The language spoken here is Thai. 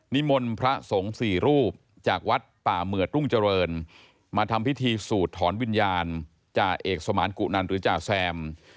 นิมนต์พระสงฆ์สี่รูปจากวัดป่าเหมือดรุ่งเจริญมาทำพิธีสูดถอนวิญญาณจ่าเอกสมานกุนันหรือจ่าแซม